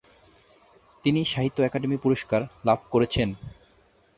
তিনি 'সাহিত্য একাডেমি পুরস্কার' লাভ করেছেন।